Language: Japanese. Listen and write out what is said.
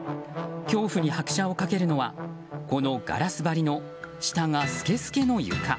恐怖に拍車を掛けるのはこのガラス張りの下がすけすけの床。